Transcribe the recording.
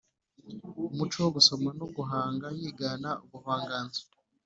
umuco wo gusoma no guhanga yigana ubuvanganzo